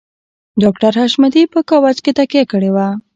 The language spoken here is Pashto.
ډاکټر حشمتي په کاوچ کې تکيه کړې وه